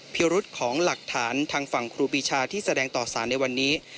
พิรุษของหลักฐานทางฝั่งครูปีชาที่แสดงต่อสารในวันนี้